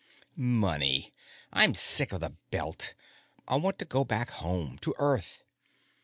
"Money. I'm sick of the Belt. I want to go back home, to Earth."